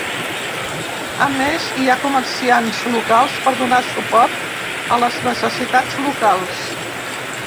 A més, hi ha comerciants locals per donar suport a les necessitats locals.